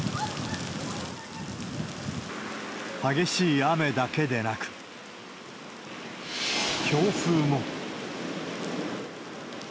激しい雨だけでなく、強風も。